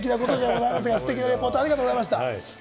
ステキなレポートありがとうございました。